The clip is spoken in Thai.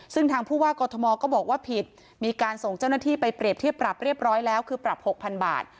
ซึ่งทางผู้ว่ากอทมก็บอกว่าผิดมีการส่งเจ้าหน้าที่ไปเปรียบเทียบปรับเรียบร้อยแล้วคือปรับ๖๐๐๐บาท